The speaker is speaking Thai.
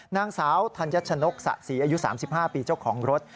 นางสาวธัญชนกสะศรีอายุ๓๕ปีเจ้าของรถ